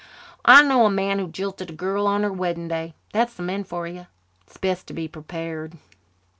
"I know a man who jilted a girl on her wedding day. That's the men for you. It's best to be prepared."